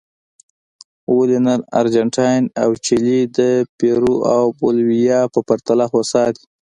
ولې نن ارجنټاین او چیلي د پیرو او بولیویا په پرتله هوسا دي.